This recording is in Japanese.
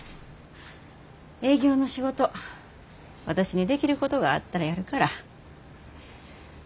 営業の仕事私にできることがあったらやるから何かあったら言うて。